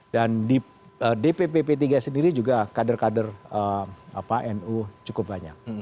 dan di dpp p tiga sendiri juga kader kader nu cukup banyak